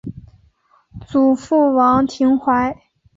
祖父王庭槐。